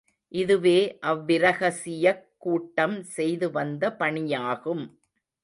இதுவே அவ்விரகசியக் கூட்டம் செய்து வந்த பணியாகும்.